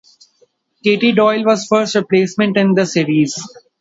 Katie Doyle was the first replacement in the series.